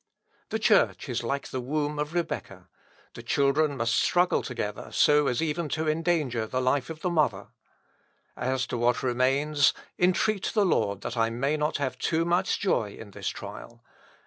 The Church is like the womb of Rebecca. The children must struggle together so as even to endanger the life of the mother. As to what remains, entreat the Lord that I may not have too much joy in this trial.